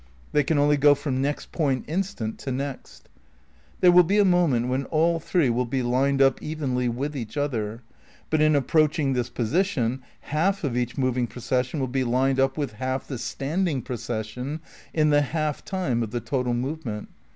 They can only go from next point instant to next. There will be a moment when all three will be lined up evenly with each other; but in approaching this position half of each moving procession will be lined up with half the standing procession in the half time of the total movement.